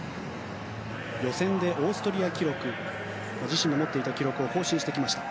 予選でオーストリア記録自身の持っていた記録を更新してきました。